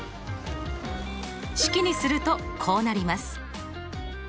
式にするとこうなります。